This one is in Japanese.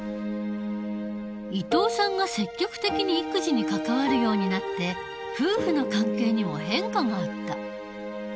伊藤さんが積極的に育児に関わるようになって夫婦の関係にも変化があった。